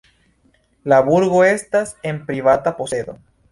La burgo estas en privata posedo.